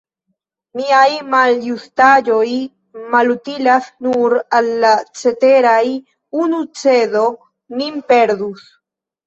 Miaj maljustaĵoj malutilas nur al la ceteraj; unu cedo min perdus.